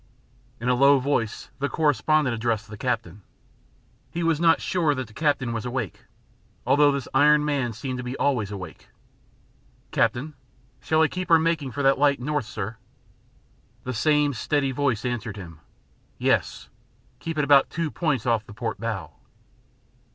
In a low voice the correspondent addressed the captain. He was not sure that the captain was awake, although this iron man seemed to be always awake. "Captain, shall I keep her making for that light north, sir?" The same steady voice answered him. "Yes. Keep it about two points off the port bow."